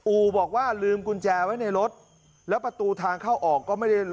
อู่บอกว่าลืมกุญแจไว้ในรถแล้วประตูทางเข้าออกก็ไม่ได้